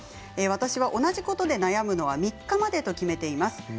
私は同じことで悩むのは３日までと決めています。